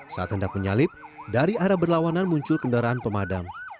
saat hendak menyalip dari arah berlawanan muncul kendaraan pemadam